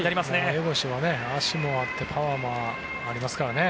江越は足もあってパワーもありますからね。